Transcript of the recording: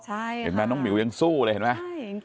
เห็นมั้ยน้องหมิวยังสู้เลยเห็นมั้ย